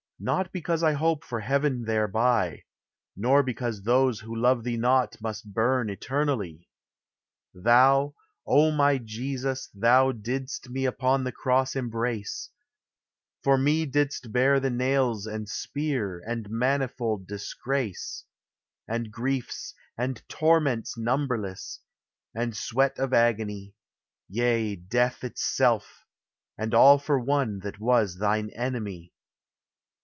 not because I hope for heaven thereby ; Nor because those who love thee not Must bum eternally. Thou, () my Jesus, thou didst me Upon the cross embrace ! For toe didst bear the nails and spear, And manifold disgrace, And griefs and torments numberless, And sweat of agony, Yea, death itself, — and all for one That was thine enemy.